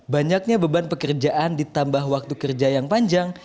banyaknya beban pekerjaan ditambah waktu kerja yang panjang